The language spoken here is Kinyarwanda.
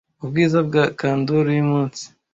ubwiza bwa candor yumunsi